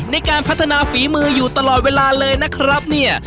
ในการพัฒนาฝีมืออยู่ตลอดเวลาเลยนะครับเนี่ย